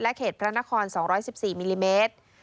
เขตพระนคร๒๑๔มิลลิเมตร